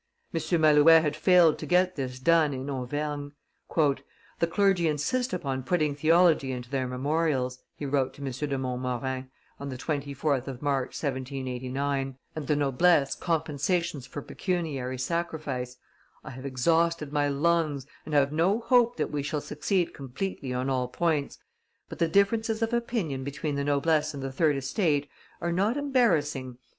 M. Malouet had failed to get this done in Auvergne. "The clergy insist upon putting theology into their memorials," he wrote to M. de Montmorin, on the 24th of March, 1789, "and the noblesse compensations for pecuniary sacrifice. I have exhausted my lungs and have no hope that we shall succeed completely on all points, but the differences of opinion between the noblesse and the third estate are not embarrassing.